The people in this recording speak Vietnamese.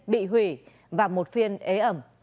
bị hủy và một phiên ế ẩm